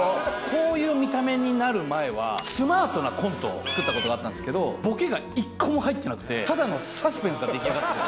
こういう見た目になる前はスマートなコントを作ったことがあったんですけどボケが１個も入ってなくてただのサスペンスが出来上がった。